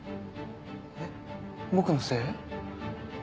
えっ僕のせい？